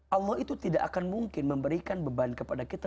allah itu tidak akan mungkin memberikan beban kepada kita